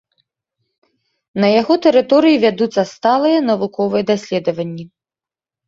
На яго тэрыторыі вядуцца сталыя навуковыя даследаванні.